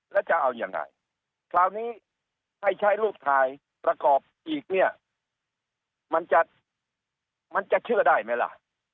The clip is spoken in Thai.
แล้วจะเอายังไงคราวนี้ให้ใช้รูปถ่ายประกอบอีกเนี่ยมันจะมันจะเชื่อได้ไหมล่ะ